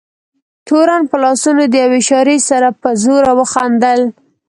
تورن په لاسونو د یوې اشارې سره په زوره وخندل.